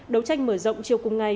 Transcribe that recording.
đấu tranh mở rộng chiều cùng ngày